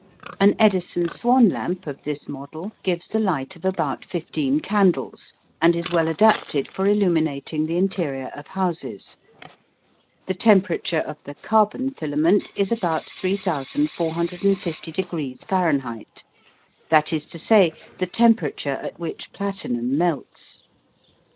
An Edison Swan lamp of this model gives a light of about 15 candles, and is well adapted for illuminating the interior of houses. The temperature of the carbon filament is about 3450 degrees Fahr that is to say, the temperature at which platinum melts.